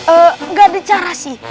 enggak ada cara sih